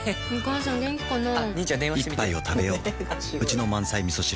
一杯をたべよううちの満菜みそ汁